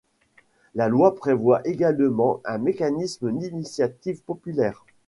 La loi prévoit également un mécanisme d'initiative populaire.